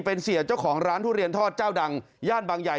พ่อทุเรียนทอดเจ้าดังญาติบังใหญ่